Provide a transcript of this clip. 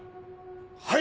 はい！